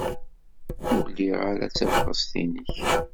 Ur liɣ ara tabɣest-nnek.